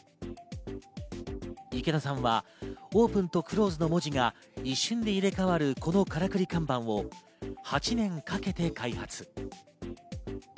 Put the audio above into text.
池田さんは「ｏｐｅｎ」と「ｃｌｏｓｅｄ」の文字が一瞬で入れ替わるこのからくり看板を８年かけて開発。